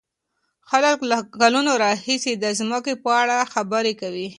خلک له کلونو راهيسې د ځمکې په اړه خبرې کوي.